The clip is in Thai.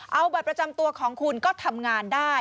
เอาบัตรประจำตัวของคุณก็ทำงานได้